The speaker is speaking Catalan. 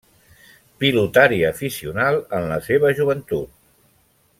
Pilotari aficionat en la seva joventut.